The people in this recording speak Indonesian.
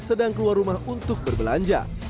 sedang keluar rumah untuk berbelanja